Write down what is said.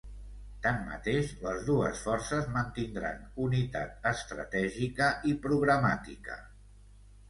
Tanmateix, les dues forces mantindran unitat estratègica i programàtica.